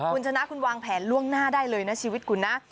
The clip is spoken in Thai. คุณชนะคุณวางแผนล่วงหน้าได้เลยนะชีวิตคุณนะ